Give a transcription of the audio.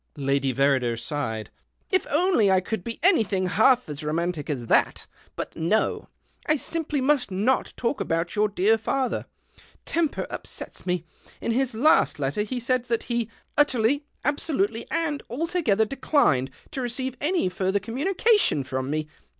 Lady Verrider sighed. " If only I could be mything half as romantic as that ! But no —'. simply must not talk about your dear father, remper upsets me. In his last letter he said ;hat he ' Utterly, absolutely, and altogether leclined ' to receive any further communica ion from me.